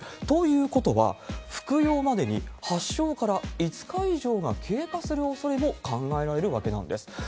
ということは、服用までに発症から５日以上が経過するおそれも考えられるわけなんです。